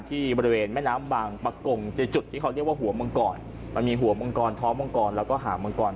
ที่บริเวณแม่น้ำบางปรากงเจ็ดจุดที่เขาเรียกว่าหัวมังกร